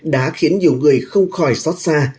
đã khiến nhiều người không khỏi xót xa